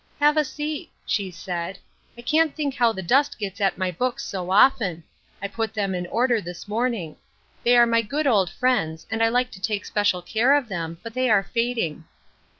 Have a seat," she said ;" I can't think how the dust gets at my books so often ; I put them in order this morning. They are my good old friends, and I like to take special care of them, but they are fading."